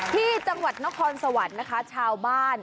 ที่จังหวัดนครสวรรค์นะคะชาวบ้าน